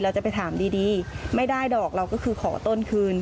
จะไปถามดีไม่ได้ดอกเราก็คือขอต้นคืน